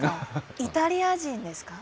イタリア人ですか。